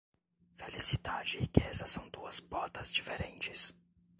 Felicidade e riqueza são duas botas diferentes.